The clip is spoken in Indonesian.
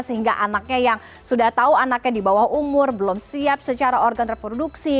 sehingga anaknya yang sudah tahu anaknya di bawah umur belum siap secara organ reproduksi